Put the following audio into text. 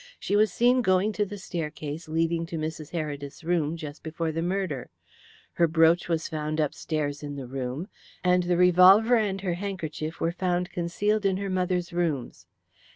"She was seen going to the staircase leading to Mrs. Heredith's room just before the murder; her brooch was found upstairs in the room; and the revolver and her handkerchief were found concealed in her mother's rooms.